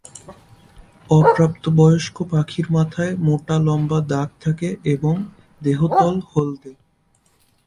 অপ্রাপ্তবয়স্ক পাখির মাথায় মোটা লম্বা দাগ থাকে এবং দেহতল হলদে।